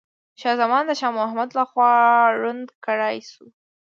شاه زمان د شاه محمود لخوا ړوند کړاي سو.